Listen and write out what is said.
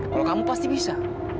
kalau kamu pasti bisa